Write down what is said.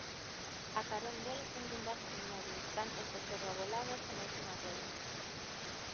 A carón del, un guindastre inmóbil, pranchas de ferro aboladas e mais unha rede.